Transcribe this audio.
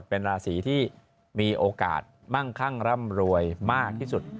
เอาเติมเวลาไม่พอ